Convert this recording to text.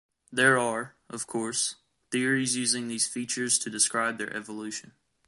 There are, of course, theories using these features to describe their evolution.